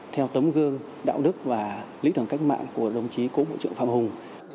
theo tấm gương đạo đức và lý tưởng cách mạng của đồng chí cố bộ trưởng phạm hùng